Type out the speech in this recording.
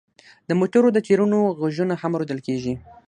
د موټرو د ټیرونو غږونه هم اوریدل کیږي